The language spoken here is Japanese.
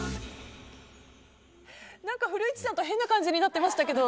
何か古市さんと変な感じになってましたけど。